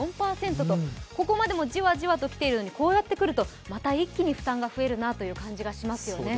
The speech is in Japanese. ここまでもじわじわときているのに、こうやってくるとまた一気に負担が増えるなという感じがしますよね。